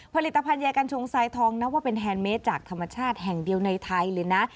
ผลิตภัณยากัญชงทรายทองนับว่าเป็นแฮนดเมสจากธรรมชาติแห่งเดียวในไทยเลยนะ